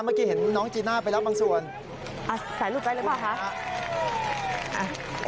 เมื่อกี้เห็นน้องจีน่าไปแล้วบางส่วนสายลูกไปเลยเพราะว่าค่ะ